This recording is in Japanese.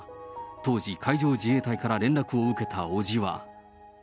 当時、海上自衛隊から連絡を受けた伯父は。